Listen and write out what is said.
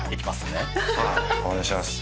お願いします。